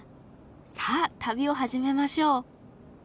さあ旅を始めましょう。